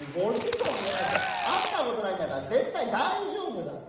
音言えない人会ったことないんだから、絶対大丈夫だって。